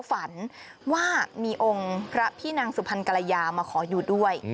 ฝันว่ามีองค์พระพี่นางสุพรรณกรยามาขออยู่ด้วย